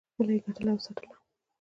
خپله یې ګټله او څټله.